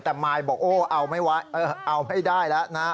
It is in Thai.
แต่มายบอกเอาไม่ไว้เอาไม่ได้แล้วนะครับ